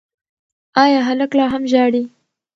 ایا هلک لا هم ژاړي؟